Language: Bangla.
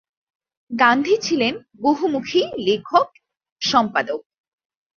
গান্ধী ছিলেন বহুমুখী লেখক, সম্পাদক।